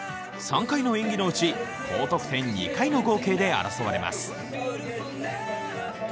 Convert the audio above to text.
３回の演技のうち、高得点２回の演技で争われます。